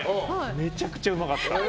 めちゃくちゃうまかった。